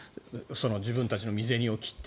自分たちの身銭を切って。